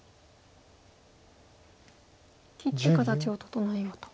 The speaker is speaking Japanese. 切って形を整えようと。